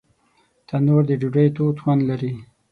تنور د ډوډۍ تود خوند لري